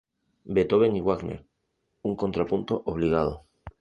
Beethoven y Wagner, un contrapunto obligado.